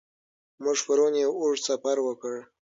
موږ پرون یو اوږد سفر وکړ.